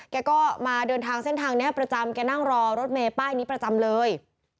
แกก็มาเดินทางเส้นทางนี้ประจำแกนั่งรอรถเมย์ป้ายนี้ประจำเลย